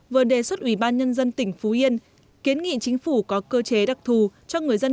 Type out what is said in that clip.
vừa đề xuất ủy ban nhân dân tỉnh phú yên kiến nghị chính phủ có cơ chế đặc thù cho người dân